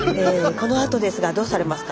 このあとですがどうされますか？